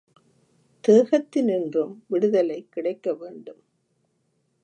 தேகத்தினின்றும் விடுதலை கிடைக்க வேண்டும்.